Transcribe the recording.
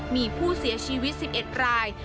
มีผู้เสียชีวิต๑๑ราย